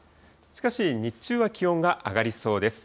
しかし、日中は気温が上がりそうです。